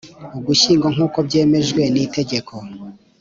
Ugushyingo nk uko byemejwe n Itegeko